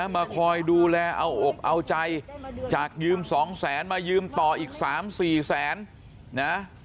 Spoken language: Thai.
มาคอยดูแลเอาอกเอาใจจากยืม๒๐๐๐๐๐บาทมายืมต่ออีก๓๔๐๐๐๐๐บาท